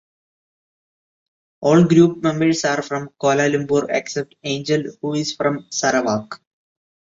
All group members are from Kuala Lumpur except Angel who is from Sarawak.